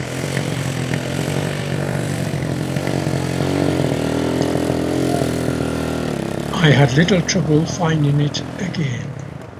I had a little trouble finding it again.